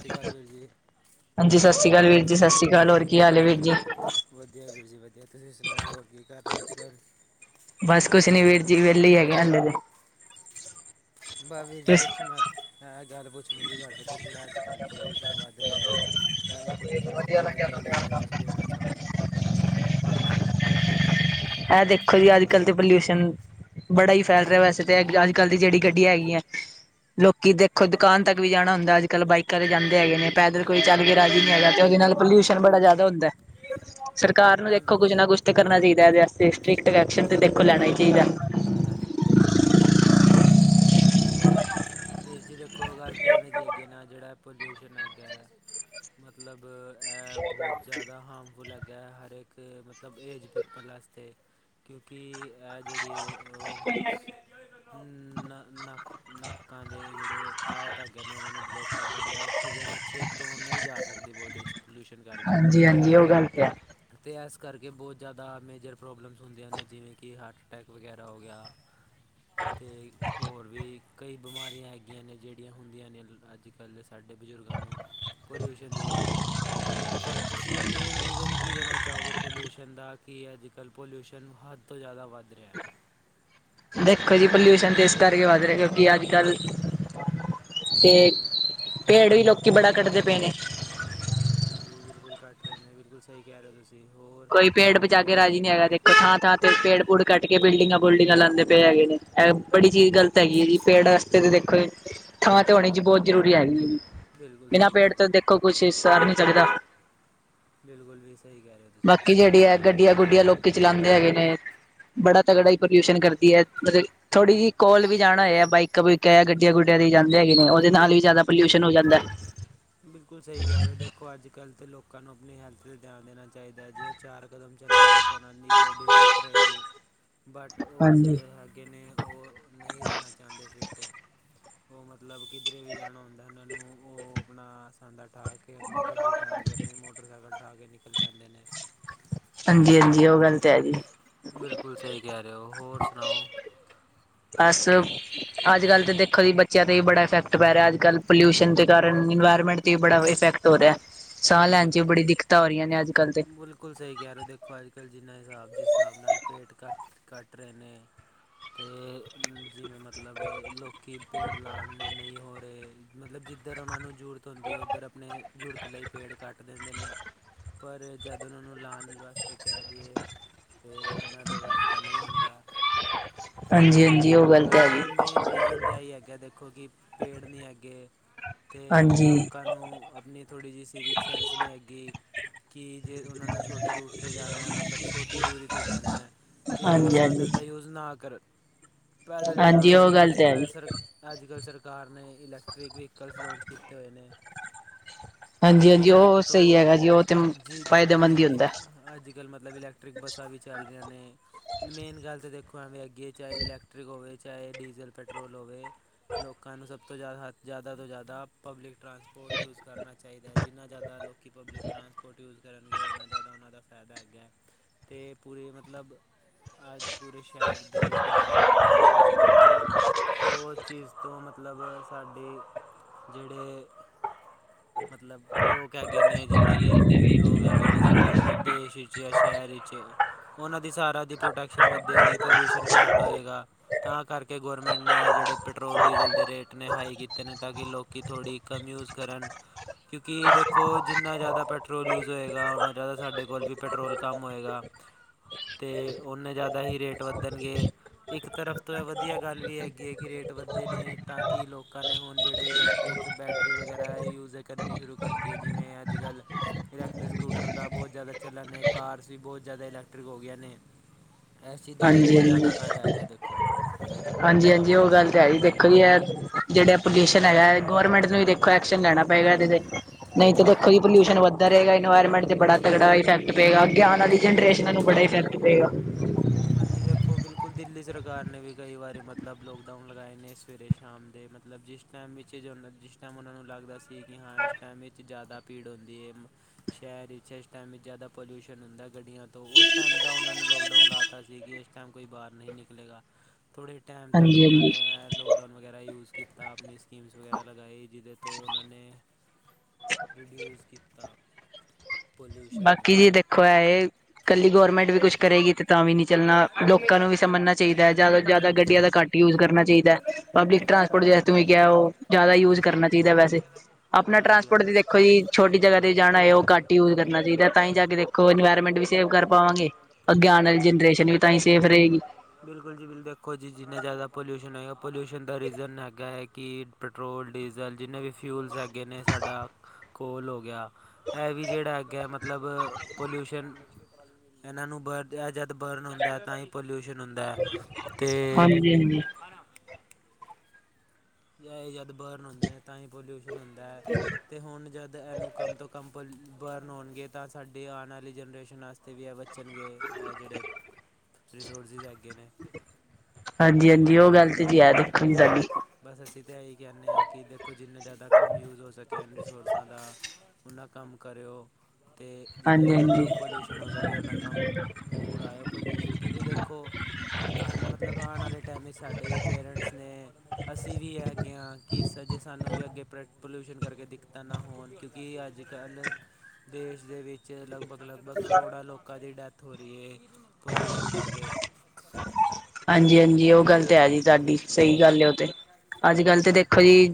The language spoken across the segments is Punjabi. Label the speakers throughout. Speaker 1: ਠੀਕ ਵੀਰ ਜੀ।
Speaker 2: ਹਾਂਜੀ ਜੀ, ਸ਼੍ਰੀ ਅਕਾਲ ਵੀਰ ਜੀ। ਸਤਿ ਸ਼੍ਰੀ ਅਕਾਲ। ਹੋਰ ਕੀ ਹਾਲ ਹੈ ਵੀਰ ਜੀ।
Speaker 1: ਵਧੀਆ ਵੀਰ ਜੀ ਵਧੀਆ। ਤੁਸੀਂ ਸੁਣਾਓ, ਹੋਰ ਕੀ ਕਰ ਰਹੇ ਅੱਜ ਕੱਲ੍ਹ।
Speaker 2: ਬਸ ਕੁਛ ਨੀ ਵੀੇਰ ਜੀ, ਵਹਲੇਲੀ ਹੈਗੇ ਹਲੇੇ ਦੇ।
Speaker 1: ਵੀਹ
Speaker 2: ਤੇ
Speaker 1: ਜੀ ਦੇਖੋ, ਮੈਂ ਗੱਲ ਪੁੱਛ ਜੀ ਤੁਹਾਡੇ ਤੋਂ ਜਿਹੜਾ ਅੱਜ ਕੱਲ੍ਹ ਪੋਲਿਊਸ਼ਨ ਵੱਧ ਰਿਹਾ ਹੈ। ਟਨ ਪੋਲਿਊਸ਼ਨ ਵੱਧਣ ਦਾ ਕੀ ਰੀਜ਼ਨ ਤੁਸੀਂ ਦੇਣਾ ਚਾਹੋਗੇ।
Speaker 2: ਇਹ ਦੇਖੋ ਜੀ, ਅੱਜ ਕੱਲ੍ਹ ਤੇ ਪੋਲਿਊਸ਼ਨ ਬੜਾ ਹੀ ਫੈਲ ਰਿਹਾ ਵੈਸੇ ਤੇ ਅੱਜ-ਕੱਲ੍ਹ ਦੀ ਜਿਹੜੀ ਗੱਡੀਆਂ ਹੈਗੀਆਂ। ਲੋਕੀ ਦੇਖੋ ਦੁਕਾਨ ਤੱਕ ਵੀ ਜਾਣਾ ਹੁੰਦਾ, ਅੱਜ-ਕੱਲ੍ਹ ਬਾਈਕਾਂ ਤੇ ਜਾਂਦੇ ਹੈਗੇ ਨੇ। ਪੈਦਲ ਕੋਈ ਚੱਲ ਕੇ ਰਾਜ਼ੀ ਨਹੀਂ ਹੈਗਾ ਤੇ ਉਹਦੇ ਨਾਲ ਪੋਲਿਊਸ਼ਨ ਬੜਾ ਜ਼ਿਆਦਾ ਹੁੰਦਾ ਐ। ਸਰਕਾਰ ਨੂੰ
Speaker 1: ਹਾਂਜੀ
Speaker 2: ਦੇਖੋ ਕੁੱਝ ਨਾ ਕੁੱਛ ਤਾਂ ਕਰਨਾ ਚਾਹੀਦਾ ਇਹਦੇ ਸਟ੍ਰਿਕਟ ਕੈਕਸ਼ਨ ਤੇ ਦੇਖੋ ਲੈਣਾ ਹੀ ਚਾਹੀਦਾ।
Speaker 1: ਹਾਂਜੀ ਬਿਲਕੁਲ ਸਹੀ ਕਹਿ ਰਹੇ ਹੋ। ਵੀਰ ਜੀ, ਵੀਰ ਜੀ ਦੇ ਇੱਕੋ ਗੱਲ ਧਿਆਨ ਦੀ ਅੱਗੇ ਨਾ ਜਿਹੜਾ ਪੋਲਿਊਸ਼ਨ ਹੈਗੇ ਮਤਲਬ ਬਹੁਤ ਜ਼ਿਆਦਾ ਹਾਰਮਫੁਲ ਹੈਗਾ ਐ। ਹਰ ਇੱਕ ਕਿ ਮਤਲਬ ਏਜ ਪੀਪਲ ਵਾਸ ਕਿਉਂਕਿ ਇਹ ਜਿਹੜੀ ਨਾ, ਨਾ ਨਾਕਾਂ ਦੇ ਜਿਹੜੇ ਪਾਇਪ ਹੈਗੇ ਨੇ ਉਹਨਾਂ ਨੂੰ ਬਲੋਕ ਕਰ ਦਿੰਦਾ। ਆਔਕਸੀਜਨ ਅੱਛੇ ਧੋਣ ਨਹੀਂ ਜਾ ਸਕਦੀ ਬੋਡੀ 'ਚ ਪੋਲਿਊਸ਼ਨ ਕਰਕੇ।
Speaker 2: [inaudible]
Speaker 1: ਅਤੇ ਇਸ ਕਰਕੇ ਬਹੁਤ ਜ਼ਿਆਦਾ ਮੇਜਰ ਪ੍ਰੋਬਲਮਸ ਹੁੰਦੀਆਂ ਨੇ। ਜਿਵੇਂ ਕਿ, ਹਾਰਟ ਅਟੈਕ ਵਗੈਰਾ ਹੋ ਗਿਆ। ਅਤੇ ਹੋਰ ਵੀ ਕਈ ਬਿਮਾਰੀਆਂ ਹੈਗੀਆਂ ਨੇ ਜਿਹੜੀਆਂ ਹੁੰਦੀਆਂ ਨੇ ਅੱਜ-ਕੱਲ੍ਹ। ਸਾਡੇ ਬਜ਼ੁਰਗਾਂ ਨੂੰ ਪੋਲਿਊਸ਼ਨ ਦੀ ਵਜ੍ਹਾ ਤੋਂ ਅਤੇ ਤੁਹਾਡ ਤੁਸੀਂ ਮੇਨ ਰੀਜ਼ਨ ਕੀ ਦੇਣਾ ਚਾਹੋਗੇ ਪੋਲਿਊਸ਼ਨ ਦਾ? ਕਿ ਅੱਜ-ਕੱਲ੍ਹ ਪੋਲਿਊਸ਼ਨ ਹੱਦ ਤੋਂ ਜ਼ਿਆਦਾ ਵੱਧ ਰਿਹਾ। ਹੈ
Speaker 2: ਦੇਖੋ ਜੀ, ਪੋਲਿਊਸ਼ਨ ਤੇ ਇਸ ਕਰਕੇ ਵੱਧ ਰਿਹਾ ਕਿਉਂਕਿ ਅੱਜ-ਕੱਲ੍ਹ ਤੇ ਭੇੜੇ ਵੀ ਲੋਕੀ ਬੜਾ ਕੱਢਦੇ ਪਏ ਨੇ।
Speaker 1: ਹਾਂਜੀ ਬਿਲਕੁਲ ਘੱਟ ਰਹੇ ਨੇ ਬਿਲਕੁਲ ਸਹੀ ਕਹਿ ਰਹੇ ਓ। ਤੁਸੀਂ ਹੋਰ
Speaker 2: ਕੋਈ ਪੇੜ ਬਚਾ ਕੇ ਰਾਜੀ ਨਹੀਂ ਹੈਗਾ। ਦੇਖੋ ਥਾਂ, ਥਾਂ ਤੇ ਪੇੜ-ਪੂੜ ਕੱਟ ਕੇ ਬਿਲਡਿੰਗ-ਬੁਲਿਡਿੰਗਾਂ ਲਾਂਦੇ ਪਏ ਹੈਗੇ ਨੇ। ਬੜੀ
Speaker 1: ਹਾਂਜੀ
Speaker 2: ਚੀਜ਼ ਗਲਤ ਹੈਗੀ ਏ ਪੇੜ ਤੇ ਦੇਖੋ ਜੀ ਥਾਂ ਤੇ ਹੋਣੀ ਜੀ ਬਹੁਤ ਜ਼ਰੂਰੀ ਹੈਗੀ ਹੈ।
Speaker 1: ਬਿਲਕੁਲ
Speaker 2: ਬਿਨਾਂ
Speaker 1: ਸਹੀ
Speaker 2: ਪੇੜ
Speaker 1: ਕਹਿ ਰਹੇ
Speaker 2: ਤੋਂ
Speaker 1: ਹੋ
Speaker 2: ਦੇਖੋ ਕੁਛ ਸਰ ਨੀ ਚੜਦਾ।
Speaker 1: ਬਿਲਕੁਲ ਵੀ ਸਹੀ ਕਹਿ ਰਹੇ ਓ।
Speaker 2: ਬਾਕੀ ਜਿਹੜੀ ਹੈ ਗੱਡੀਆਂ-ਗੁੱਡੀਆਂ ਲੋਕੀ ਚਲਾਉਂਦੇ ਹੈਗੇ ਨੇ ਬੜਾ ਤਗੜਾ ਹੀ ਪ੍ਰਦਰਸ਼ਨ ਕਰਦੀ ਐ। ਮਤਲਬ ਥੋੜ੍ਹੀ ਜਿਹੀ ਕੋਲ ਵੀ ਜਾਣਾ ਏ ਆ ਬਾਈਕ ਬੁਈਕਾਂ ਜਾਂ ਗੱਡੀਆਂ-ਗੁੱਡੀਆਂ ਦੀ ਜਾਂਦੇ ਹੈਗੇ ਨੇ। ਉਹਦੇ ਨਾਲ ਵੀ ਜ਼ਿਆਦਾ ਪੋਲਿਊਸ਼ਨ ਹੋ ਜਾਂਦਾ।
Speaker 1: ਬਿਲਕੁਲ ਸਹੀ ਕਹਿ ਰਹੇ ਦੇਖੋ ਦੇਖੋ ਅੱਜ-ਕੱਲ੍ਹ ਤਾਂ ਲੋਕਾਂ ਨੂੰ ਆਪਣੀ ਹੈਲਥ ਤੇ ਧਿਆਨ ਦੇਣਾ ਚਾਹੀਦਾ ਐ। ਜੇ ਉਹ ਚਾਰ ਕਦਮ ਚੱਲਣਗੇ ਕਨੀ ਬੋਡੀ ਫਿੱਟ ਰਹੇਗੀ ਬਟ ਉਹ
Speaker 2: ਹਾਂਜੀ,
Speaker 1: ਜਿਹੜੇ ਹੈਗੇ ਨੇ ਉਹ ਨਹੀਂ ਰਹਿਣਾ ਚਾਹੁੰਦੇ ਫਿੱਟ। ਉਹ ਮਤਲਬ ਕਿਧਰੇ ਵੀ ਜਾਣਾ ਹੁੰਦਾ ਉਹਨਾਂ ਨੂੰ ਉਹ ਆਪਣਾ ਸਾਂਦਾ ਠਾਅ ਕੇ, ਆਪਣੀ ਗੱਡੀ ਠਾਅ ਕੇ, ਆਪਣੀ ਮੋਟਰਸਾਈਕਲ ਠਾਅ ਕੇ ਨਿਕਲ ਪੈਂਦੇ ਨੇ।
Speaker 2: ਹਾਂਜੀ, ਹਾਂਜੀ ਉਹ ਗੱਲ ਤੇ ਹੈਗੀ।
Speaker 1: ਬਿਲਕੁਲ ਸਹੀ ਕਹਿ ਰਹੇ ਓ। ਹੋਰ ਸੁਣਾਓ?
Speaker 2: ਬਸ ਅੱਜ-ਕੱਲ ਤਾਂ ਦੇਖੋ ਜੀ ਬੱਚਿਆਂ ਤੇ ਵੀ ਬੜਾ ਇਫੈਕਟ ਪੈ ਰਿਹਾ। ਅੱਜ-ਕੱਲ ਪੋਲਿਊਸ਼ਨ ਦੇ ਕਾਰਨ ਇਨਵਾਇਰਮੈਂਟ ਤੇ ਬੜਾ ਇਫੈਕਟ ਹੋ ਰਿਆ। ਸਾਹ
Speaker 1: ਹਾਂਜੀ
Speaker 2: ਲੈਣ ਚ ਵੀ ਬਣੀਆ ਦਿੱਕਤਾਂ ਆ ਰਹੀਆਂ ਨੇ ਅੱਜ-ਕੱਲ।
Speaker 1: ਬਿਲਕੁਲ ਸਹੀ ਕਹਿ ਨੇ ਦੇਖੋ, ਅੱਜ-ਕੱਲ੍ਹ ਜਿੰਨਾ ਹਿਸਾਬ ਜਿਸ ਹਿਸਾਬ ਨਾਲ ਪੇਟ ਕੱਟ ਕੱਟ ਰਹੇ ਨੇ ਅਤੇ ਜਿਵੇਂ ਮਤਲਬ ਲੋਕੀ ਪੇੜ ਲਾ ਨੇ ਨਹੀਂ ਹੋ ਰਹੇ। ਮਤਲਬ ਜਿੱਧਰ ਉਹਨਾਂ ਨੂੰ ਜ਼ਰੂਰਤ ਹੁੰਦੀ ਹੈ। ਉੱਧਰ ਆਪਣੇ ਜ਼ਰੂਰਤ ਲਈ ਪੇੜ ਕੱਟ ਦਿੰਦੇ ਨੇ। ਪਰ ਜਦ ਓਨਾਂ ਨੂੰ ਲਾਣ ਵਾਸਤੇ ਕਹਿ ਦੇਈਏ ਤੇ ਉਹਨਾਂ ਦੇ ਵਸਦਾ ਨਹੀਂ ਹੁੰਦਾ।
Speaker 2: ਹਾਂਜੀ ਹਾਂਜੀ ਉਹ ਗੱਲ
Speaker 1: ਬਸ
Speaker 2: ਤਾਂ ਹੈਗੀ
Speaker 1: ਆਹੀ ਮੇਨ ਰੀਜਨ ਤੇ ਆਈ ਹੈਗਾ। ਦੇਖੋ ਦੇਖੋ ਕਿ ਪੇੜ ਨੀ ਹੈਗੇ ਅਤੇ
Speaker 2: ਹਾਂਜੀ
Speaker 1: ਲੋਕਾਂ ਨੂੰ ਆਪਣੀ ਥੋੜ੍ਹੀ ਜਿਹੀ ਸਿਵਿਕ ਸੈਂਸ ਨੀ ਹੈਗੀ। ਕਿ ਜੇ ਉਹਨਾਂ ਨੂੰ ਛੋਟੇ ਰੂਟ 'ਤੇ ਜਾਨਾ ਮਤਲਬ ਛੋਟੀ ਦੂਰੀ 'ਤੇ ਜਾਣਾ ਅਤੇ ਉਹ
Speaker 2: ਹਾਂਜੀ ਹਾਂਜੀ
Speaker 1: ਸਾਧਨ ਦਾ ਯੂਜ ਨਾ ਕਰਨ ਪੈਦਲ
Speaker 2: ਹਾਂਜੀ
Speaker 1: ਜਾਣ।
Speaker 2: ਉਹ ਗੱਲ ਤਾਂ
Speaker 1: ਅੱਜ-ਕੱਲ੍ਹ
Speaker 2: ਹੈਗੀ।
Speaker 1: ਸਰ ਅੱਜ-ਕੱਲ੍ਹ ਸਰਕਾਰ ਨੇ ਇਲੈਕਟ੍ਰਿਕ ਵਹੀਕਲਸ ਲਾਂਚ ਕੀਤੇ ਹੋਏ ਨੇ।
Speaker 2: ਹਾਂਜੀ
Speaker 1: ਜਿਦੀ
Speaker 2: ਹਾਂਜੀ ਉਹ
Speaker 1: ਹੈਲਪ
Speaker 2: ਸਹੀ
Speaker 1: ਤੋਂ
Speaker 2: ਹੈਗਾ ਜੀ ਉਹ ਤੇ
Speaker 1: ਜੀ
Speaker 2: ਫਾਇਦੇਮੰਦ ਹੀ
Speaker 1: ਜਿਦੀ
Speaker 2: ਹੁੰਦਾ
Speaker 1: ਅੱਜ-ਕੱਲ੍ਹ ਮਤਲਬ ਇਲੈਕਟ੍ਰਿਕ ਬੱਸਾਂ ਵੀ ਚੱਲ ਰਹੀਆਂ ਨੇ, ਮੇਨ ਗੱਲ ਤਾਂ ਦੇਖੋ ਐਵੇਂ ਅੱਗੇ ਚਾਹੇ ਇਲੈਕ ਐੈਕਟ੍ਰਿਕ ਹੋਵੇ, ਚਾਹੇ ਡੀਜ਼ਲ ਪੈਟਰੋਲ ਹੋਵੇ। ਲੋਕਾਂ ਨੂੰ ਸਭ ਤੋਂ ਜ਼ਿਆਦਾ, ਜ਼ਿਆਦਾ ਤੋਂ ਜ਼ਿਆਦਾ ਪਬਲਿਕ ਟਰਾਂਸਪੋਰਟ ਯੂਜ਼ ਕਰਨਾ ਚਾਹੀਦਾ। ਜਿੰਨਾ ਜ਼ਿਆਦਾ ਲੋਕੀ ਪਬਲਿਕ ਟਰਾਂਸ ਯੂਜ਼ ਕਰਨਗੇ, ਉਹਨਾਂ ਜ਼ਿਆਦਾ ਉਹਨਾਂ ਦਾ ਫਾਇਦਾ ਹੈਗਾ, ਅਤੇ ਪੂਰੇ ਮਤਲਬ ਅੱਜ ਪੂਰੇ ਸ਼ਹਿਰ ਦੇਸ਼ ਦਾ, ਫੈਦਾ ਗਿਆ ਉਸ ਕਿਉਂਕਿ ਉਹ ਚੀਜ਼ ਤੋਂ ਮਤਲਬ ਸਾਡੀ ਜਿਹੜੇ ਮਤਲਬ ਲੋਕ ਹੈਗੇ ਨੇ ਜਿੰਨੇ ਵੀ, ਲੱਗੇ ਨੇ ਸਾਡੇ ਦੇਸ਼ ਵਿੱਚ ਜਾਂ ਸ਼ਹਿਰ ਵਿੱਚ ਉਹਨਾਂ ਦੀ ਸਾਰਾ ਦੀ, ਪ੍ਰੋਟੈਕਸ਼ਨ ਵੱਧੇਗੀ ਪੋਲਿਊਸ਼ਨ ਘੱਟ ਹੋਏਗਾ, ਤਾਂ ਕਰਕੇ ਗੋਰਮੈਂਟ ਨੇ ਜਿਹੜੇ ਪੈਟਰੋਲ ਡੀਜ਼ਲ ਦੇ ਰੇਟ ਨੇ ਹਾਈ ਕੀਤੇ ਨੇ, ਤਾਂ ਕਿ ਲੋਕ ਥੋੜ੍ਹੀ ਕਮ ਯੂਜ ਕਰਨ ਕਿਉਂਕਿ ਦੇਖੋ ਜਿੰਨਾ ਜ਼ਿਆਦਾ ਪੈਟ ਪੈਟਰੋਲ ਯੂਜ਼ ਹੋਏਗਾ, ਉਹਨਾਂ ਜ਼ਿਆਦਾ ਸਾਡੇ ਕੋਲ ਵੀ ਪੈਟਰੋਲ ਕੰਮ ਹੋਏਗਾ। ਤੇ ਓਨੇ ਜ਼ਿਆਦਾ ਹੀ ਰੇਟ ਵੱਧਣਗੇ। ਇੱਕ ਤਰਫ ਤੋਂ ਇਹ ਵਧੀਆ ਗੱਲ ਵੀ ਹੈਗੀ ਹੈ, ਕਿ ਰੇਟ ਵੱਧਦੇ ਨੇ ਤਾਂ ਕਿ ਲੋਕਾਂ ਨੇ ਹੁਣ ਜਿਹੜੇ ਇਲੈਕਟ੍ਰਿਕ ਬੈਟ ਬੈਟਰੀ ਵਗੈਰਾ ਯੂਜ ਕਰਨੀ ਸ਼ੁਰੂ ਕਰਤੀ ਹੈ, ਜਿਵੇਂ ਅੱਜ-ਕੱਲ੍ਹ ਇਲੈਕਟ੍ਰਿਕ ਸਕੂਟਰ ਦਾ ਬਹੁਤ ਜ਼ਿਆਦਾ ਚੱਲਣ ਨੇ ਕਾਰ ਵੀ ਬਹੁਤ ਜ਼ਿਆਦਾ ਇਲੈਕਟ੍ਰਿਕ ਹੋ ਗਈਆਂ ਨੇ, ਇਸ ਚੀਜ਼ ਦਾ ਤਾਂ
Speaker 2: ਹਾਂਜੀ
Speaker 1: ਬਹੁਤ
Speaker 2: ਹਾਂਜੀ
Speaker 1: ਜ਼ਿਆਦਾ ਫਾਇਦਾ ਹੈਗਾ ਦੇਖੋ।
Speaker 2: ਹਾਂਜੀ-ਹਾਂਜੀ ਉਹ ਗੱਲ ਤਾਂ ਹੈ ਜੀ ਦੇਖੋ ਜੀ ਹੈ, ਜਿਹੜੇ ਪ੍ਰਦੂਸ਼ਨ ਹੈਗਾ ਗਵਰਮੈਂਟ ਨੂੰ ਵੀ ਦੇ ਐਕਸ਼ਨ ਲੈਣਾ ਪਏਗਾ ਐਦੈ, ਨਹੀਂ ਤਾਂ ਞੇਖੌ ਪਲਿਊਸ਼ਨ ਵੱਧਦਾ ਰਹੇਗਾ, ਗੈਰਮੈਂਟ ਤੇ ਬੜਾ ਤਗੜਾ ਇਫੈਕਟ ਪਏਗਾ, ਅੱਗੇ ਆਉਣ ਵਾਲੀ ਜਨਰੇਸ਼ਨਨਾਂ ਨੂੰ ਬੜਾ ਇਫੈਕਟ ਪਏਗਾ।
Speaker 1: ਹਾਂਜੀ ਦੇਖੋ, ਬਿਲ ਹੁੲ ਦਿੱਲੀ ਸਰਕਾਰ ਨੇ ਵੀ ਕਈ ਵਾਰੀ ਮਤਲਬ, ਲੋਕਡਾਊਨ ਲਗਾਏ ਨੇ ਸਵੇਰੇ ਸ਼ਾਮ ਦੇ ਮਤਲਬ ਜਿਸ ਇਸ ਟਾਈਮ ਜੋ ਜਿਸ ਟਾਈਮ ਉਹਨਾਂ ਨੂੰ ਲੱਗਦਾ ਸੀ, ਕਿ ਹਾਂ ਇਸ ਟਾਈਮ ਵਿੱਚ ਜ਼ਿਆਦਾ ਭੀੜ ਹੁੰਦੀ ਹੈ। ਸ਼ਹਿਰ ਵਿੱਚ ਇਸ ਟਾਈਮ ਵਿੱਚ ਜ਼ਿਆਦਾ ਪੋਲਿਊਸ਼ਨ ਹੁੰਦਾ, ਗੱਡੀਆਂ ਤੋਂ ਉਸ ਟਾਈਮ ਦਾ ਉਹਨਾਂ ਨੇ ਲੋਕਡਾਊਨ ਲਾ ਤਾ ਸੀ ਕਿ, ਇਸ ਟਾਈਮ ਕੋਈ ਬਾਹਰ ਨਹੀਂ ਨਿਕਲੇਗਾ, ਥੋੜੇ ਟਾਈਮ ਤੱਕ ਉਹਨਾਂ
Speaker 2: ਹਾਂਜੀ-ਹਾਂਜੀ
Speaker 1: ਨੇ ਲੋਕ ਨ ਵਗੈਰਾ ਯੂਜ ਕੀਤਾ, ਆਪਣੀ ਸਕੀਮਸ ਵਗੈਰਾ ਲਗਾਏ ਜਿਹਦੇ ਤੋਂ ਉਹਨਾਂ ਨੇ ਰਿਡਿਊਸ ਕੀਤਾ। ਪੋਲਿਊਸ਼ਨ ਨੂੰ
Speaker 2: ਬਾਕੀ ਜੀ ਦੇਖੋ ਹੈ ਇਹ ਏ, ਇਕੱਲੀ ਗੌਰਰਮੈਂਟ ਵੀ ਕੁਛ ਕਰੇਗੀ, ਤੇ ਤਾਂ ਵੀ ਨਹੀਂ ਚੱਲਣਾ ਲੋਕਾਂ ਨੂੰ ਵੀ ਸਮਝਣਾ ਚਾਹੀਦਾ ਹੈ, ਜ਼ਿਆਦਾ ਤੋਂ ਜ਼ਿਆਦਾ ਗੱਡੀਆਂ ਦਾ ਘੱਟ ਯੂਜ ਕਰਨਾ ਚਾਹੀਦਾ। ਪਬਲਿਕ ਟਰਾਂਸਪੋਰਟ ਜੇ ਤੂੰ ਕਿਹਾ, ਉਹ ਜ਼ਿਆਦਾ ਯੂਜ ਕਰਨਾ ਚਾਹੀਦਾ ਵੈਸੇ, ਆਪਣਾ
Speaker 1: ਹਾਂਜੀ
Speaker 2: ਟਰਾਂਸਪੋਰਟ ਦੀ ਕੋਈ ਛੋਟੀ
Speaker 1: ਹਾਂਜੀ
Speaker 2: ਜਗ੍ਹਾ ਤੇ ਜਾਣਾ ਹੈ, ਉਹ ਘੱਟ ਯੂਜ ਕਰ ਕਰਣਾ ਚਾਹੀਦਾ ਤਾਂ ਹੀ ਜਾ ਕੇ ਦੇਖੋ ਇਨਵਾਇਰਮੈਂਟ ਵੀ ਸੇਫ ਕਰ ਪਾਵਾਂਗੇ, ਅੱਗੇ ਆਉਣ ਵਾਲੀ ਜਨਰੇਸ਼ਨ ਵੀ ਤਾਂ ਹੀ ਸੇਫ ਰਹੇਗੀ।
Speaker 1: ਬਿਲਕੁਲ ਜੀ ਬਿਲੁ ਦੇਖੋ, ਜੀ ਜਿੰਨੇ ਜ਼ਿਆਦਾ ਪੋਲਿਊਸ਼ਨ ਹੋਏਗਾ, ਪੋਲਿਊਸ਼ਨ ਦਾ ਰੀਜ਼ਨ ਹੈਗਾ ਹੈ ਕਿ ਪੈਟਰੋਲ ਡੀਜ਼ਲ ਜਿੰਨੇ ਵੀ ਫਿਊਲਸ ਹੈਗੇ, ਨੇ ਸਾਡਾ ਕੋਲ ਹੋ ਗਿਆ। ਇਹ ਵੀ ਜਿਹੜਾ ਹੈਗਾ, ਮਤਲਬ ਪੋਲਿਉਸ਼ਨ। ਐਨਾ ਨੂੰ ਬਰਤਿਆ ਜਦ ਬਰਨ ਹੁੰਦਾ, ਤਾਂ ਹੀ ਪੋਲਿਉਸ਼ਨ ਹੁੰਦਾ ਤੇ
Speaker 2: ਹਾਂਜੀ ਹਾਂਜੀ
Speaker 1: ਆ ਜਾਂ ਇਹ ਜਦ ਬਰਨ ਹੁੰਦੇ ਨੇ, ਤਾਂ ਹੀ ਪਲਿਊਸ਼ਨ ਹੁੰਦਾ ਹੈ। ਤੇ ਹੁਣ ਜਦ ਇਹਨੂੰ ਕੰਮ ਤੋਂ ਕੰਮ ਪਲ ਬਰਨ ਹੋਣਗੇ, ਤਾਂ ਸਾਡੀ ਆਉਣ ਵਾਲੀ ਜਨਰੇਸ਼ਨ ਵਾਸਤੇ ਇਹ ਵੀ ਹੈ ਬੱਚਨਗੇ, ਐਹ ਜਿਹੜੇ ਰਿਸੋਰਸਿਸ ਹੈਗੇ ਨੇ।
Speaker 2: ਹਾਂਜੀ-ਹਾਂਜੀ, ਉਹ
Speaker 1: ਬਸ
Speaker 2: ਗੱਲ ਤੇ ਯਾਦ ਹੈ ਸਾਡੀ।
Speaker 1: ਬਸ ਅਸੀਂ ਤਾਂ ਇਹੀ ਕਹਿੰਨੇ ਹਾਂ ਕਿ ਦੇਖੋ, ਜਿੰਨੇ ਜ਼ਿਆਦਾ ਕੰਮ ਯੂਜ ਹੋ ਸਕੇ, ਰਿਸੋਰਸਾਂ ਦਾ ਉਹਨਾਂ ਕੰਮ ਕਰਿਓ ਤੇ ਜਿੰਨਾ
Speaker 2: ਹਾਂਜੀ
Speaker 1: ਜ਼ਿਆਦਾ
Speaker 2: ਹਾਂਜੀ
Speaker 1: ਕੰਮ ਪੋਲਿਊਸ਼ਨ ਹੋ ਸਕੇ, ਓਨਾ ਕੰਮ ਉਡਾਇਉ। ਪੋਲਿਊਸ਼ਨ, ਕਿਉਂਕਿ ਦੇਖੋ ਆਉਣ ਮਤਲਬ ਆਉਣ ਵਾਲੇ ਟਾਈਮ ਵਿੱਚ ਸਾਡੇ ਵੀ ਪੇਰੈਂਟਸ ਨੇ ਅਸੀਂ ਵੀ ਹੈਗੇ ਹਾਂ, ਕਿ ਸਜੇ ਸਾਨੂੰ ਵੀ ਅੱਗੇ ਪਰ ਪੋਲਿਊਸ਼ਨ ਕਰਕੇ ਦਿੱਕਤਾਂ ਨਾ ਹੋਣ। ਕੀ, ਅੱਜ-ਕੱਲ੍ਹ ਦੇਸ਼ ਦੇ ਵਿੱਚ ਲਗਭਗ-ਲਗਭਗ ਕਰੋੜਾਂ ਲੋਕਾਂ ਦੀ ਡੈਥ ਹੋ ਰਹੀ ਹੈ, ਪੋਲਿਊਸ਼ਨ ਕਰਕੇ।
Speaker 2: ਹਾਂਜੀ-ਹਾਂਜੀ, ਉਹ ਗੱਲ ਤੇ ਹੈ ਜੀ, ਸਾਡੀ ਸਹੀ ਗੱਲ, ਉਹ ਤੇ ਅਲ ਤੇ ਦੇਖੋ ਜੀ।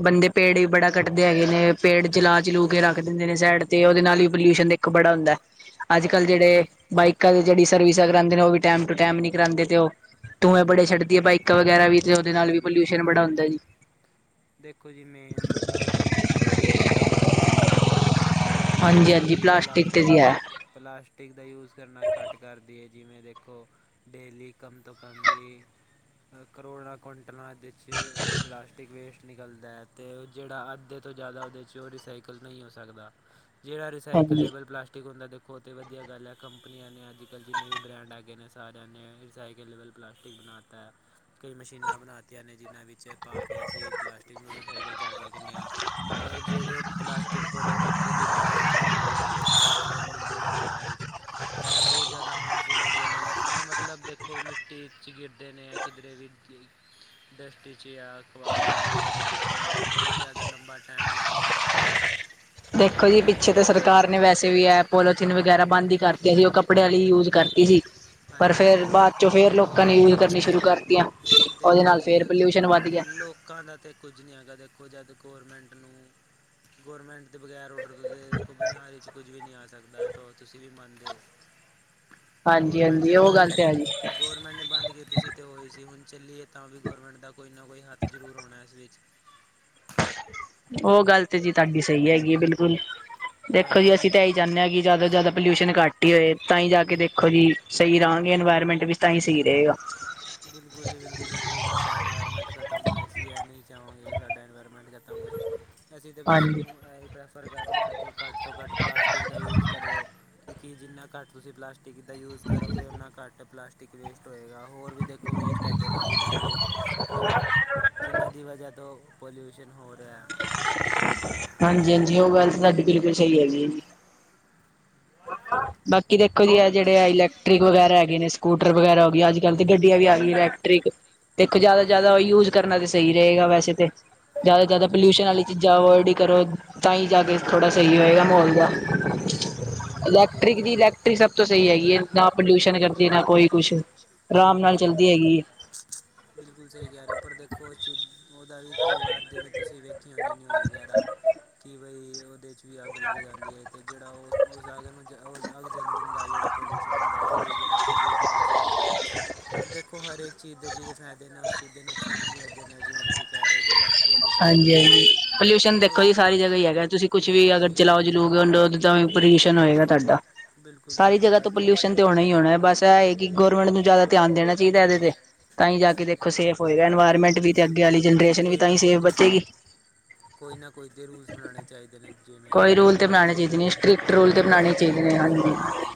Speaker 2: ਬੰਦੇ ਪੇੜ ਵੀ ਬੜਾ ਕੱਟਦੇ ਹੈਗੇ ਨੇ, ਪੇੜ ਜਲਾ-ਜਲੂ ਕੇ ਰੱਖ ਦਿੰਦੇ ਨੇ ਸਾਈਡ ਤੇ, ਉਹਦੇ ਨਾਲ ਵੀ ਪੋਲਿਊਸ਼ਨ ਦੇ ਕਪੜਾ ਹੁੰਦਾ
Speaker 1: [unintelligible]
Speaker 2: ਅੱਜ-ਕੱਲ੍ਹ ਜਿਹੜੇ ਬਾਈਕਲ ਜਿਹੜੀ ਸਰਵਿਸਾ ਕਰਉਂਦੇ ਨੇ, ਉਹ ਵੀ ਟਾਈਮ ਟੂ ਟਾਈਮ ਨੀ ਕਰਾਉਦੇ। ਤੇ ਉਹ ਧੂੰਏ ਬੜੇ ਛੱਡਦੀ ਹੈ, ਬਾਈਕਾਂ ਵਗੈਰਾ ਵੀ, ਤੇ ਉਹਦੇ
Speaker 1: ਬਿਲਕੁਲ
Speaker 2: ਨਾਲ
Speaker 1: ਜੀ
Speaker 2: ਵੀ
Speaker 1: ਬਿਲਕੁਲ
Speaker 2: ਪੋਲਿਊਸ਼ਨ ਬੜਾ ਹੁੰਦਾ ਜੀ।
Speaker 1: ਦੇਖੋ ਜੀ, ਮੇਨ ਦਾ ਪੋਲਿਊਸ਼ਨ ਦਾ ਰੀਜ਼ਨ ਤਾਂ ਪਲਾਸਟਿਕ ਵੀ ਹੈਗਾ। ਜੇ
Speaker 2: ਹਾਂਜੀ-ਹਾਂਜੀ
Speaker 1: ਲੋਕੀ
Speaker 2: ਤੇ ਜੀ
Speaker 1: ਪਲਾਸਟਿਕ
Speaker 2: ਹੈ
Speaker 1: ਪਲਾਸਟਿਕ ਦਾ ਯੂਜ ਕਰਨਾ ਘੱਟ ਕਰਦੀ ਹੈ, ਜਿਵੇਂ ਦੇਖੋ, ਡੇਲੀ ਕਮ ਤੋਂ ਕਮ ਵੀ ਕਰੋੜਾਂ ਕੁੰਟਲਾਂ ਇਹਦੇ ਪਲਾਸਟਿਕ ਵੇਸਟ ਨਿਕਲਦਾ ਤੇ ਜਿਹੜਾ ਅੱਧੇ ਤੋਂ ਜ਼ਿਆਦਾ ਉਹਦੇ 'ਚ, ਉਹ ਰੀਸਾਈਕਲ ਨਹੀਂ ਹੋ ਸਕਦਾ। ਜਿਹੜਾ
Speaker 2: ਹਾਂਜੀ
Speaker 1: ਰਿਸਾਈਕਲੇਬਲ ਪਲਾਸਟਿਕ ਹੁੰਦਾ, ਦੇਖੋ ਤਾਂ ਵਧੀਆ ਗੱਲ ਹੈ, ਕੰਪਨੀਆਂ ਨੇ ਅੱਜ ਕੱਲ੍ਹ ਜਿੰਨੇ ਵੀ ਬ੍ਰੈਂਡ ਆ ਗਏ ਨੇ। ਸਾਰਿਆਂ ਨੇ ਰਿਸਾਈਕਲੇਬਲ ਪਲਾਸਟਿਕ ਬਣਾ ਤੈ, ਕਈ ਮਸ਼ੀਨਾਂ ਬਣਾਤੀਆਂ ਨੇ, ਜਿਹਨ੍ਹਾਂ ਵਿੱਚ ਵਿੱਚ ਪਾ ਕੇ ਅਸੀਂ ਪਲਾਸਟਿਕ ਨੂੰ ਰੀਸਾਈਕਲ ਕਰ ਸਕਦੇ ਹਾਂ। ਪਰ ਜਿਹੜੇ ਪਲਾਸਟਿਕ, ਪੋਲੀਥੀਨ, ਪੋਲਿਬੇਗ ਨੇ, ਜਿਵੇਂ ਦੇਖੋ ਅੱਜ ਕੱਲ੍ਹ ਮਿਲਦੇ ਨੇ ਬਜ਼ਾਰ ਵਿੱਚ। ਐਹ ਬਹੁਤ ਜ਼ਿਆਦਾ ਹਾਰਮਫੁਲ ਹੈਗੇ ਨੇ, ਐਹ ਮਤਲਬ ਦੇਖੋ, ਮਿੱਟੀ ਚ ਗਿਰਦੇ ਨੇ ਕਿਧਰੇ ਵੀ, ਦ੍ਰਸ਼ਟੀ 'ਚ ਜਾਂ ਅਖਬਾਰ। ਗਰਜਦੇ ਨੇ ਅਤੇ ਬਹੁਤ ਜ਼ਿਆਦਾ ਲੰਬਾ ਟਾਈਮ ਲੈਂਦੇ ਨੇ।
Speaker 2: ਦੇਖੋ ਜੀ, ਪਿੱਛੇ
Speaker 1: ਅ,
Speaker 2: ਤੇ
Speaker 1: ਖਤਮ
Speaker 2: ਸਰਕਾਰ
Speaker 1: ਹੋਣ
Speaker 2: ਨੇ
Speaker 1: ਲਈ
Speaker 2: ਵੈਸੇ ਵੀ ਐ ਪੋਲੋਥੀਨ ਵਗੈਰਾ ਬੰਦ ਹੀ ਕਰਤੀਆਂ ਸੀ, ਉਹ ਕੱਪੜਿਆਂ ਹੀ ਯੂਜ ਕਰਤੀ ਸੀ। ਪਰ
Speaker 1: ਹਾਂਜੀ
Speaker 2: ਫੇਰ
Speaker 1: ਉਹ
Speaker 2: ਬਾਅਦ ਚੋਂ ਫੇਰ ਲੋਕਾਂ ਨੇ ਯੂਜ ਕਰਨੀਆਂ ਸ਼ੁਰੂ ਕਰਤੀਆਂ, ਉਹਦੇ
Speaker 1: ਦੇਖੋ
Speaker 2: ਨਾਲ
Speaker 1: ਜੀ
Speaker 2: ਫੇਰ ਪੋਲਿਊਸ਼ਨ ਵੱਧ ਗਿਆ।
Speaker 1: ਲੋਕਾਂ ਦਾ ਤੇ ਕੁਝ ਨਹੀਂ ਹੈਗਾ, ਦੇਖੋ ਜਦ ਗੌਰਮੈਂਟ ਨੂੰ ਗੌਰਰਮੈਂਟ ਦੇ ਬਗੈਰ ਔਡਰ ਦੇਖੋ, ਬਜ਼ਾਰ ਵਿੱਚ ਕੋਈ। ਵੀ ਨਹੀਂ ਆ ਸਕਦਾ, ਤਾਂ ਤੁਸੀਂ ਵੀ ਮੰਨਦੇ ਹੋ ਗੌਰਮੈਂਟ ਨੇ
Speaker 2: ਹਾਂਜੀ-ਹਾਂਜੀ ਉਹ
Speaker 1: ਬੰਦ
Speaker 2: ਗੱਲ ਤੇ ਹੈ ਜੀ
Speaker 1: ਗੌਰਮੈਂਟ ਨੇ ਬੰਦ ਕੀਤੀ ਸੀ, ਅਤੇ ਹੋਈ ਸੀ, ਹੁਣ ਚੱਲੀਏ, ਤਾਂ ਵੀ ਗੌਰਮੈਂਟ ਦਾ ਕੋਈ ਨਾ ਕੋਈ ਹੱਥ ਜ਼ਰੂਰ ਹੋਣਾ ਇਸ ਵਿੱਚ।
Speaker 2: ਉਹ ਗੱਲ ਤੇ ਜੀ ਤੁਹਾਡੀ ਸਹੀ ਹੈਗੀ ਹੈ, ਬਿਲਕੁਲ,
Speaker 1: ਪਰ
Speaker 2: ਦੇਖੋ ਜੀ
Speaker 1: ਜਿੰਨ
Speaker 2: ਅਸੀਂ ਤਾਂ ਇ ਜਾਂਦੇ ਹਾਂ ਕਿ ਜਿਆਦਾ ਤੋਂ ਜ਼ਿਆਦਾ ਪੋਲਿਊਸ਼ਨ ਘੱਟ ਹੀ ਹੋਏ, ਤਾਂ ਹੀ ਜਾ ਕੇ ਦੇਖੋ ਜੀ ਸਹੀ ਰਹਾਂਗੇ, ਇਨਵਾਇਰਮੈਂਟ ਵਿੱਚ। ਤਾਂ ਹੀ ਸਹੀ ਰਹੇਗਾ।।
Speaker 1: ਬਿਲਕੁਲ ਜੀ ਬਿਲਕੁਲ ਦੇਖੋ, ਸਾਡਾ ਇਨਵਾਇਰਮੈਂਟ ਖਤਮ ਹੋਇਆ, ਇਸ ਲਈ ਇਹ ਨਹੀਂ ਚਾਹਵਾਂਗੇ, ਸਾਡਾ ਇਨਵਾਇਰਮੈਂਟ ਖਤਮ। ਏ ਅਸੀਂ ਤਾਂ ਬਸ ਸਭ
Speaker 2: ਹਾਂਜੀ,
Speaker 1: ਨੂੰ [unintelligible] ਪ੍ਰੈਫਰ ਕਰਦੇ ਹਾਂ, ਕਿ ਘੱਟ ਤੋਂ ਘੱਟ ਪਲਾਸਟਿਕ ਦਾ ਯੂਜ਼ ਕਰਿਓ, ਕਿਉਂਕਿ ਜਿੰਨਾ ਘੱਟ ਤੁਸੀਂ ਪਲਾਸਟਿਕ ਪਟਿਕ ਦਾ ਯੂਜ ਕਰੋਗੇ, ਉਹਨਾ ਘੱਟ ਪਲਾਸਟਿਕ ਵੇਸਟ ਹੋਏਗਾ ਹੋਰ। ਵੀ ਦੇਖੋ, ਵੇਸਟ ਹੈਗੇ ਨੇ ਜਿੰਨ੍ਹਾਂ ਦੀ ਵਜੇ, ਜਿਨ੍ਹਾਂ ਦੀ ਵਜ੍ਹਾ ਤੋਂ ਪੋਲਿਊਸ਼ਨ ਹੋ ਰਿਹਾ।
Speaker 2: ਹਾਂਜੀ-ਹਾਂਜੀ ਉਹ ਗੱਲ ‌ਸਾਡੀ‌ ਬਿਲਕੁਲ ਸਹੀ ਹੈਗੀ ਏ ਜੀ। [unintelligible] ਕਿ ਦੇਖੋ ਜੀ, ਇਹ ਜਿਹੜੇ ਆ ਇਲੈਕਟ੍ਰਿਕ ਵਗੈਰਾ ਹੈਗੇ ਨੇ ਸਕੂਟਰ ਵਗੈਰਾ ਹੋ ਗਏ, ਅੱਜ-ਕੱਲ੍ਹ ਤੇ ਗੱਡੀਆਂ ਵੀ ਆ ਗਈ ਇਲੈਕਟ੍ਰਿਕ ਤੇਖ ਜਿਆਦਾ-ਜਿਆਦਾ ਯੂਜ ਕਰਨਾ ਤੇ ਸਹੀ ਰਹੇਗਾ ਵੈਸੇ ਤੇ, ਜ਼ਿਆਦਾ-ਜ਼ਿਆਦਾ
Speaker 1: ਹਾਂਜੀ
Speaker 2: ਪੋਲਿਊਸ਼ਨ
Speaker 1: ਹਾਂਜੀ
Speaker 2: ਵਾਲੀ ਚੀਜ਼ਾਂ ਅਵੋਇਡ ਹੀ ਕਰੋ ਤਾਂ ਹੀ ਜਾ ਕੇ ਥੋੜ੍ਹਾ ਸਹੀ ਹੋਏਗਾ ਮਾਹੌਲ ਦਾ,
Speaker 1: ਬਿਲਕੁਲ ਜੀ-ਬਿਲਕੁਲ ਠੀਕ
Speaker 2: ਇਲੈਕਟ੍ਰਿਕ ਦੀ
Speaker 1: ਹੈ।
Speaker 2: ਇਲੈਕਟ੍ਰਿਕ ਸਭ ਤੋਂ ਸਹੀ ਹੈਗੀ ਹੈ ਨਾ, ਪੋਲਿਊਸ਼ਨ ਕਰਦੀ ਨਾ ਕੋਈ ਕੁਛ ਆਰਾਮ ਨਾਲ
Speaker 1: ਬਿਲਕੁਲ
Speaker 2: ਚੱਲਦੀ ਹੈਗੀ ਹੈ।
Speaker 1: ਬਿਲਕੁਲ ਸਹੀ ਕਹਿ ਰਹੇ ਹੋ ਪਰ ਦੇਖੋ, ਉਸ ਚੀਜ਼ ਉਹਦਾ ਵੀ ਕਈ ਵਾਰ ਜਿਵੇਂ ਤੁਸੀਂ ਵੇਖ, ਕੀ ਹੁੰਦੀਆਂ ਨਿਊਜ਼ ਵਗੈਰਾ, ਕਿ ਬਈ ਉਹਦੇ 'ਚ ਵੀ ਅੱਗ ਲੱਗ ਜਾਂਦੀ ਹੈ। ਅਤੇ ਜਿਹੜਾ ਉਹ ਉਸ ਅੱਗ ਨੂੰ ਅੱਗ ਜਦ ਦਾ ਜਿਹੜਾ ਪੋਲਿਊਸ਼ਨ ਹੁੰਦਾ, ਉਹ ਵੀ ਜਿਹੜਾ ਪੋਲਿਊਟ ਕਰ ਰਿਹਾ, ਜਿਹੜਾ ਮਤਲਬ ਦੇਖੋ, ਹਰ ਇੱਕ ਚੀਜ਼ ਦੇ ਜਿਹਦੇ ਫਾਇਦੇ ਨੇ ਉਸ ਚੀਜ਼ ਦੇ ਨੁਕਸਾਨ ਵੀ ਅੱਗੇ ਨਾਲ ਜਵੇਂ ਤੁਸੀਂ ਕਹਿ ਰਹੇ ਹੋ। ਇਲੈਕਟ੍ਰਿਕ ਦੇ ਫਾਇਦੇ ਬਥੇਰੇ
Speaker 2: ਹਾਂਜੀ-ਹਾਂਜੀ
Speaker 1: ਨੇ
Speaker 2: ਪੋਲਿਊਸ਼ਨ
Speaker 1: ਮਤਲਬ
Speaker 2: ਦੇਖੋ,
Speaker 1: ਉਸ
Speaker 2: ਜੀ
Speaker 1: ਚੀ-
Speaker 2: ਸਾਰੀ ਜਗ੍ਹਾ ਹੀ ਹੈਗਾ, ਤੁਸੀਂ ਕੁਛ ਵੀ
Speaker 1: ਬਿਲਕੁਲ
Speaker 2: ਅਗਰ
Speaker 1: ਜੀ
Speaker 2: ਚਲਾਓ-ਚਲੂਓ ਗਏ। ਤਾਵੀ ਪੋਲਿਊਸ਼ਨ ਹੋਏਗਾ, ਤੁਹਾਡਾ
Speaker 1: ਬਿਲਕੁਲ ਬਿਲਕੁਲ ਜੀ
Speaker 2: ਸਾਰੀ
Speaker 1: ਬਿਲਕੁਲ
Speaker 2: ਜਗ੍ਹਾ ਤੋਂ
Speaker 1: ਦੇਖੋ
Speaker 2: ਪੋਲਿਊਸ਼ਨ ਤੇ ਹੋਣਾ ਹੀ ਹੋਣਾ, ਬਸ ਤਾਂ ਇਹ ਕਿ ਗੌਰਰਮੈਂਟ ਨੂੰ ਜ਼ਿਆਦਾ ਧਿਆਨ ਦੇਣਾ ਚਾਹੀਦਾ, ਇਹਦੇ ਤੇ ਤਾਂ ਆਈ ਜਾ ਕੇ ਦੇ, ਸੇਫ ਹੋਏਗਾ, ਇਨਵਾਇਰਮੈਂਟ
Speaker 1: ਬਿਲਕੁਲ
Speaker 2: ਵੀ
Speaker 1: ਜੀ
Speaker 2: ਅਤੇ ਅੱਗੇ
Speaker 1: ਬਿਲਕੁਲ
Speaker 2: ਵਾਲੀ
Speaker 1: ਦੇਖੋ
Speaker 2: ਜਨਰੇਸ਼ਨ ਵੀ
Speaker 1: ਕੋਈ
Speaker 2: ਤਾਂ ਹੀ
Speaker 1: ਨਾ
Speaker 2: ਸੇਫ ਬਚੇਗੀ।
Speaker 1: ਕੋਈ ਨਾ ਕੋਈ' ਤੇ ਰੂਲਸ ਬਣਾਣੇ ਚਾਹੀਦੇ ਨੇ [unintelligible]
Speaker 2: ਕੋਈ ਰੂਲ
Speaker 1: ਜਿਵੇਂ
Speaker 2: ਤੇ ਬਣਾਉਣੇ ਚਾਹੀਦੇ ਨੇ ਸਟ੍ਰਿਕਟ ਰੂਲ ਤੇ
Speaker 1: ਜੁਰਮ-ਜੁਰਮਾਨਾ
Speaker 2: ਬਣਾਉਣੇ ਚਾਹੀਦੇ
Speaker 1: ਵਗੈਰਾ
Speaker 2: ਨੇ
Speaker 1: ਹੋ ਗਿਆ
Speaker 2: ਹਾਂਜੀ
Speaker 1: ਹਾਂਜੀ-ਹਾਂ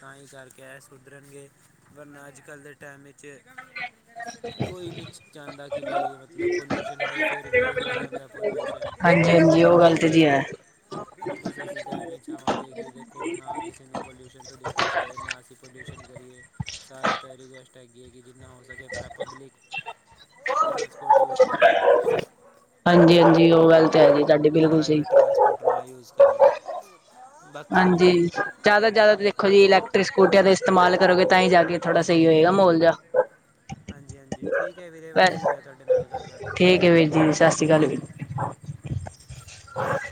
Speaker 1: ਤਾਂ ਹੀ ਕਰਕੇ [unintelligible] ਸੁਧਰਨਗੇ ਪਰ ਅਜ ਕੱਲ੍ਹ ਦੇ ਟੈਮ ਵਿਚ ਕੋਈ ਨਹੀਂ ਚਾਹੰਦਾ ਕਿ ਬਈ ਮਤਲਬ ਪੋਲਿਊਸ਼ਨ ਹੋਏ ਫਿਰ ਵੀ ਹੋ ਜਾਂਦਾ ਪੋਲਿਊਸ਼
Speaker 2: ਹਾਂਜੀ ਹਾਂਜੀ ਉਹ
Speaker 1: ਬਾਕੀ
Speaker 2: ਗੱਲ ਤੇ ਜੀ
Speaker 1: ਵੇਖੋ
Speaker 2: ਹੈ
Speaker 1: ਬਸ ਅਸੀਂ ਤਾਂ ਐਵੇਂ ਈ ਚਾਹਵਾਂਗੇ ਕਿ ਦੇਖੋ ਨਾ ਕਿਸੇ ਨੂੰ ਪੋਲਿਊਸ਼ਨ ਤੋਂ ਦਿੱਕਤ ਹੋਵੇ ਨਾ ਅਸੀਂ ਪੋਲਿਊਸ਼ਨ ਕਰੀਏ ਸਾਰਿਆਂ ਤਾਂ ਐ ਰੀਕੈਸਟ ਹੈਗੀਏ ਕਿ ਜਿੰਨਾ ਹੋ ਸ ਕਿ ਆਪਨਾ [unintelligible] ਪਬਲਿਕ ਟਰਾਂਸਪੋਰਟ ਯੂਜ ਕਰਨ
Speaker 2: ਹਾਂਜੀ-ਹਾਂਜੀ ਉਹ ਗੱਲ ਤੇ ਹੈ ਤੁਹਾਡੀ ਬਿਲਕੁਲ ਸਹੀ
Speaker 1: ਫੁਟਨਾ ਯੂਜ਼ ਕਰਨ ਬਾਕੀ
Speaker 2: ਹਾਂਜੀ ਜ਼ਿਆਦਾ-ਜ਼ਿਆਦਾ ਦੇਖੋ ਜੀ ਇਲੈਕਟ੍ਰਿਕ ਸਕੂਟੀਆਂ ਦਾ ਇਸਤੇਮਾਲ ਕਰੋਗੇ ਤਾਂ ਹੀ ਜਾ ਕੇ ਥੋੜਾ ਸਹੀ ਹੋਏਗਾ ਮਹੋਲ ਜੇਹਾ
Speaker 1: ਹਾਂਜੀ-ਹਾਂਜੀ ਠੀਕ ਹੈ ਵੀਰੇ ਵਧੀਆ ਲੱਗਿਆ ਤੁਹਾਡੇ ਨਾਲ ਗੱਲ ਕਰਕੇ ਸ
Speaker 2: ਠੀਕ
Speaker 1: ਸ੍ਰੀ ਕਾਲ ਠੀਕ ਹੈ ਵੀ ਸ ਸ਼੍ਰੀ ਅਕਾਲ [unintelligible]
Speaker 2: ਹ [unintelligible]